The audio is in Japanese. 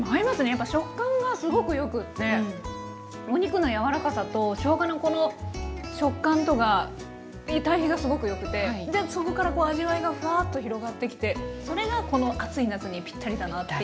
やっぱ食感がすごくよくってお肉の柔らかさとしょうがのこの食感とが対比がすごくよくてでそこからこう味わいがふわっと広がってきてそれがこの暑い夏にぴったりだなっていう。